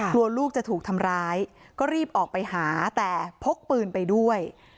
ลูกจะถูกทำร้ายก็รีบออกไปหาแต่พกปืนไปด้วย